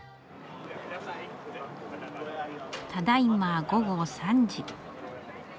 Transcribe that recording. ただいま午後３時。